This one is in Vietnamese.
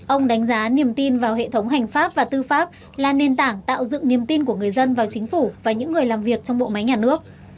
ông đánh giá niềm tin vào hệ thống hành pháp và tư pháp là nền tảng tạo dựng niềm tin của người dân vào chính phủ và những người làm việc trong bộ máy nhà nước